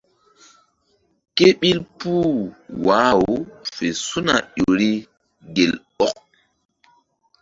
Ke ɓil puh wah-aw fe su̧na ƴo ri gel ɔk.